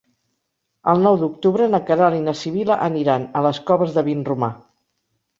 El nou d'octubre na Queralt i na Sibil·la aniran a les Coves de Vinromà.